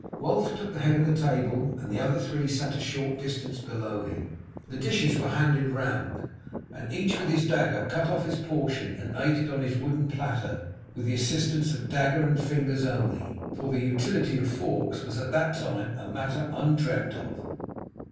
Wulf took the head of the table, and the other three sat a short distance below him. The dishes were handed round, and each with his dagger cut off his portion and ate it on his wooden platter with the assistance of dagger and fingers only, for the utility of forks was at that time a matter undreamt of.